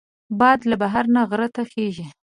باد له بحر نه غر ته خېژي